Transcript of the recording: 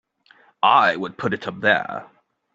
I would put it up there!